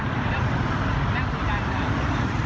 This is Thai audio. แล้วก็กลับมาแล้วก็กลับมา